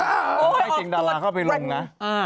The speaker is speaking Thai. ให้เจงดาราเข้าไปลงนะ